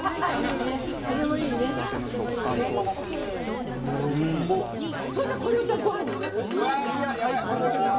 それでこれをさご飯に入れる。